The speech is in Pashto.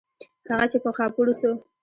هغه چې په خاپوړو سو.